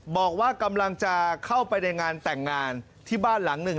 บอกว่ากำลังจะเข้าไปในงานแต่งงานที่บ้านหลังหนึ่ง